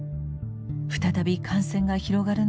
再び感染が広がる